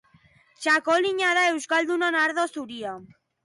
Txakolina da euskaldunon ardo zuria.